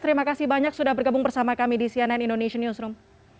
terima kasih banyak sudah bergabung bersama kami di cnn indonesian newsroom